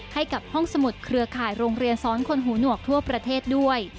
ให้กับห้องสมุดเครือข่ายโรงเรียนซ้อนคนหูหนวกทั่วประเทศด้วย